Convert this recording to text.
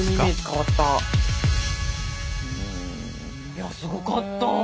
いやすごかったわ。